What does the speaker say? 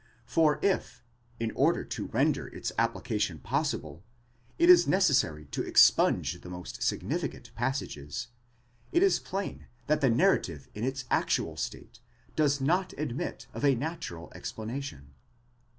For if, in order to render its application possible, it is necessary to expunge the most significant passages, it is plain that the narrative in its actual state does not admit of a natural explanation.